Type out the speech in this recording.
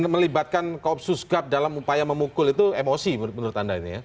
melibatkan koopsus gap dalam upaya memukul itu emosi menurut anda ini ya